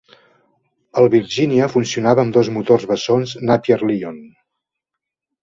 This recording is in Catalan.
El Virginia funcionava amb dos motors bessons Napier Lion.